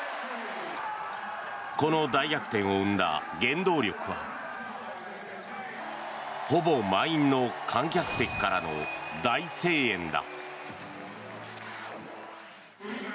この大逆転を生んだ原動力はほぼ満員の観客席からの大声援だ。